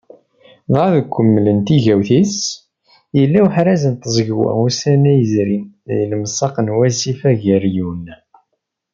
Dɣa, deg ukemmel n tigawt-is, yella uḥraz n tẓegwa ussan-a yezrin di lemsaq n wasif Ageryun.